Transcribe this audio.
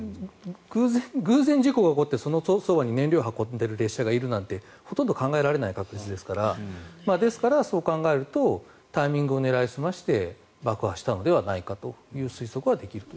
偶然、事故が起こってそのそばに燃料を運んでいる列車がいるなんてほとんど考えられない確率ですからですから、そう考えるとタイミングを狙い澄まして爆破したのではないかという推測はできると。